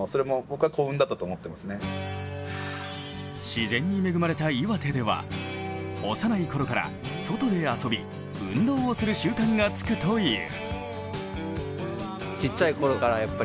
自然に恵まれた岩手では幼いころから外で遊び運動をする習慣がつくという。